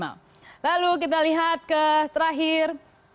lalu kita lihat ke terakhir